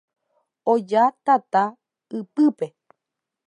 Oja tata ypýpe.